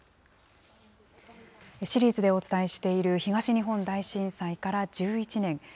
シリーズでお伝えしている、東日本大震災から１１年。